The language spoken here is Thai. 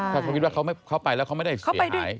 ถ้าเขาคิดว่าเขาไปแล้วเขาไม่ได้เสียหาย